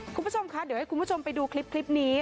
คุณผู้ชมคะเดี๋ยวให้คุณผู้ชมไปดูคลิปนี้